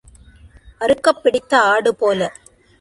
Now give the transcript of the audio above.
அறுக்கப் பிடித்த ஆடுபோல.